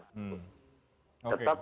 tetap sistemnya berubah